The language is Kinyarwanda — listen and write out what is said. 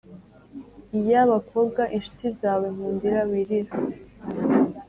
iya abakobwa inshuti zawe, nkundira wirira